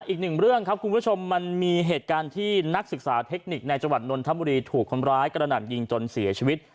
อีกหนึ่งเรื่องครับคุณผู้ชมมันมีเหตุการณ์ที่นักศึกษาเทคนิคในจังหวัดนนทบุรีถูกคนร้ายกระหน่ำยิงจนเสียชีวิต